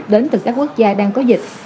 đến từ các quốc gia đang có dịch